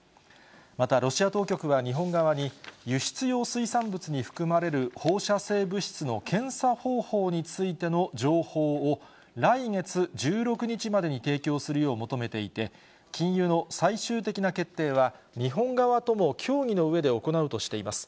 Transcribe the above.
また、ロシア当局は日本側に、輸出用水産物に含まれる放射性物質の検査方法についての情報を、来月１６日までに提供するよう求めていて、禁輸の最終的な決定は、日本側とも協議のうえで行うとしています。